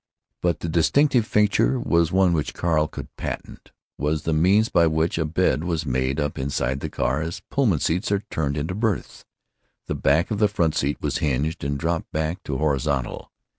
But the distinctive feature, the one which Carl could patent, was the means by which a bed was made up inside the car as Pullman seats are turned into berths. The back of the front seat was hinged, and dropped back to horizontal.